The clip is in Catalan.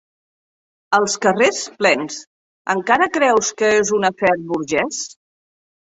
Els carrers plens, encara creus que és un afer burgès?